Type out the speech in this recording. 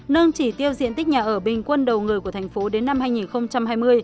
nâng chỉ tiêu diện tích nhà ở bình quân đầu người của thành phố đến năm hai nghìn hai mươi